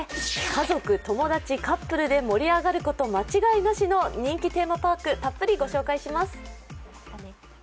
家族、友達、カップルで盛り上がること間違いなしの人気テーマパーク、たっぷりご紹介します。